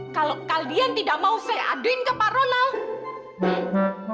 kalau kalian tidak mau saya aduin ke pak ronald